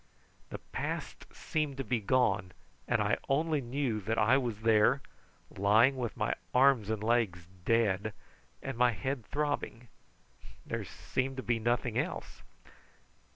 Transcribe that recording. The past seemed to be gone, and I only knew that I was there, lying with my arms and legs dead and my head throbbing. There seemed to be nothing else.